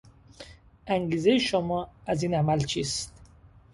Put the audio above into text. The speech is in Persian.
انگیزه شما از این عمل چیست؟